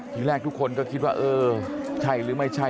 ทีแรกทุกคนก็คิดว่าเออใช่หรือไม่ใช่